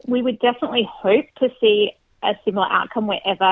kita pasti berharap melihat hasil yang sama